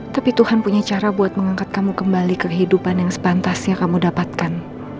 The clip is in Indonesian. tapi tuhan punya cara buat mengangkat kamu kembali kehidupan yang sepantasnya kamu dapatkan